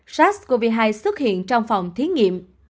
sars cov hai xuất hiện trong phòng thí nghiệm